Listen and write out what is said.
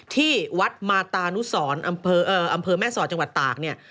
ที่วัดมาตานุสรอำเภอแม่สอดจังหวัดตากเนี่ย